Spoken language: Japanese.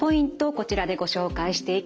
こちらでご紹介していきます。